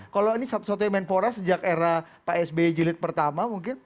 kalau ini satu satunya menpora sejak era pak sby jilid pertama mungkin